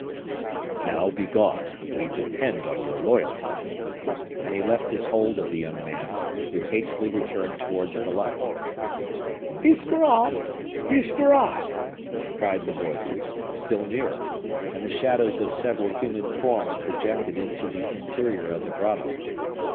"Now, begone; we depend on your loyalty." And he left his hold of the young man, who hastily returned towards the light. "Biscarrat! Biscarrat!" cried the voices, still nearer. And the shadows of several human forms projected into the interior of the grotto.